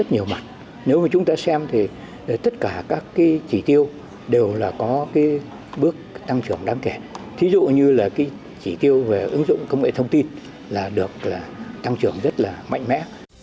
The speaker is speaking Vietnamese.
nhiều chỉ tiêu đều có bước tăng trưởng đáng kể thí dụ như chỉ tiêu về ứng dụng công nghệ thông tin được tăng trưởng rất mạnh mẽ